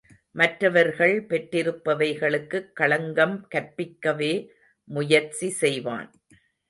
மற்றர்கள் பெற்றிருப்பவைகளுக்குக் களங்கம் கற்பிக்கவே முயற்சி செய்வான்.